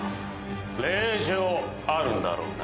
令状あるんだろうな？